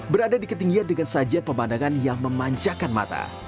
berada di ketinggian dengan saja pemandangan yang memanjakan mata